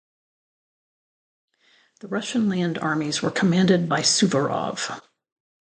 The Russian land armies were commanded by Suvorov.